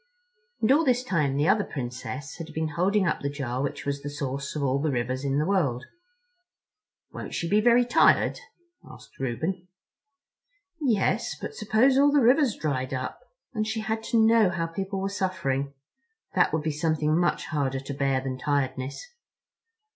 And all this time the other Princess had been holding up the jar which was the source of all the rivers in all the world. "Won't she be very tired?" asked Reuben. "Yes, but suppose all the rivers dried up—and she had to know how people were suffering—that would be something much harder to bear than tiredness.